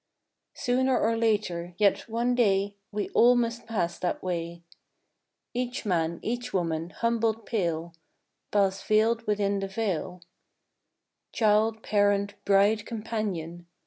Sooner or later; yet one day We all must pass that way; Each man, each woman, humbled pale, Pass veiled within the veil; Child, parent, bride, companion.